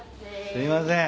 すいません。